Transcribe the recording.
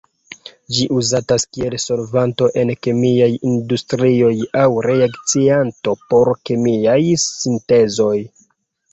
Ĝi uzatas kiel solvanto en kemiaj industrioj aŭ reakcianto por kemiaj sintezoj.